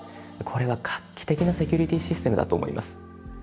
これは画期的なセキュリティシステムだと思います。